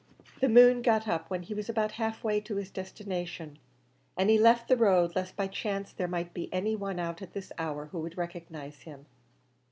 The moon got up when he was about half way to his destination, and he left the road lest by chance there might be any one out at that hour who would recognise him.